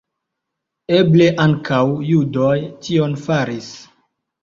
Eble ankaŭ judoj tion faris.